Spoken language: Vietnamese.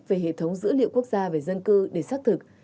về hệ thống dữ liệu quốc gia về dân cư để xác thực